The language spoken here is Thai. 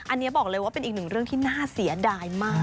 อันนี้บอกเลยว่าเป็นอีกหนึ่งเรื่องที่น่าเสียดายมาก